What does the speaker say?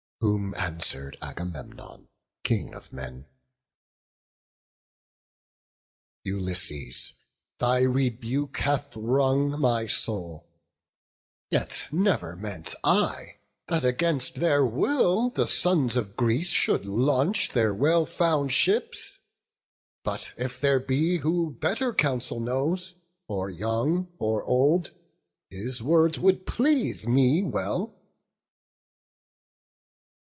Whom answer'd Agamemnon, King of men: "Ulysses, thy rebuke hath wrung my soul; Yet never meant I, that against their will The sons of Greece should launch their well found ships: But if there be who better counsel knows, Or young or old, his words would please me well."